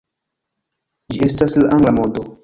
Ĝi estas la Angla modo.